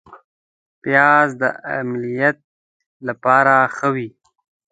پیاز د املیټ لپاره ښه وي